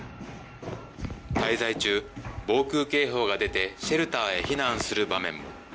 滞在中、防空警報が出て、シェルターへ避難する場面も。